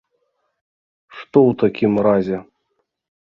Што ў такім разе?